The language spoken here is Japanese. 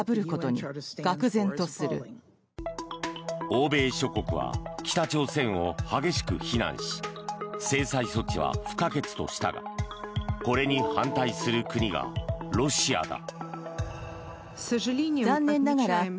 欧米諸国は北朝鮮を激しく非難し制裁措置は不可欠としたがこれに反対する国がロシアだ。